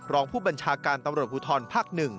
รองผู้บัญชาการตำรวจภูทรภาค๑